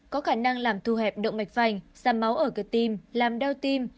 có khả năng làm thu hẹp động mạch vành giảm máu ở cơ tim làm đau tim